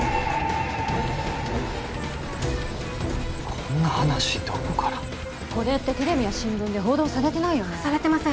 こんな話どこからこれってテレビや新聞で報道されてないよねされてません